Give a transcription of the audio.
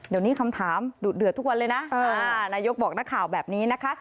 เดี๋ยวนี้คำถามดูดเดือดทุกวันเลยนะนายกบอกนักข่าวแบบนี้นะคะ